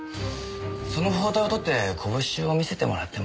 その包帯を取って拳を見せてもらってもいいですか？